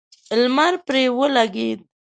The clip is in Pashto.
لمر پرې ولګېد.